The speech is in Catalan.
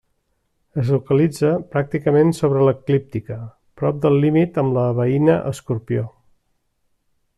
Es localitza pràcticament sobre l'eclíptica, prop del límit amb la veïna Escorpió.